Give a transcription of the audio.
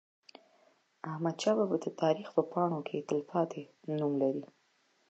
احمدشاه بابا د تاریخ په پاڼو کې تلپاتې نوم لري.